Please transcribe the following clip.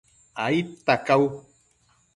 aidta cau